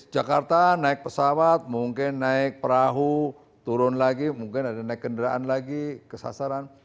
jakarta naik pesawat mungkin naik perahu turun lagi mungkin ada naik kendaraan lagi ke sasaran